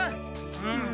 うん。